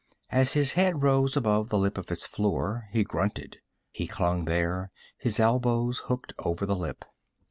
As his head rose above the lip of its floor, he grunted. He clung there, his elbows hooked over the lip.